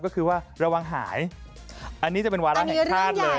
ก็คือว่าระวังหายอันนี้จะเป็นวาระแห่งชาติเลย